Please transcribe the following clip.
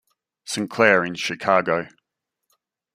St.Clair in Chicago.